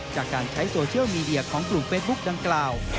จากการใช้โซเชียลมีเดียของกลุ่มเฟซบุ๊คดังกล่าว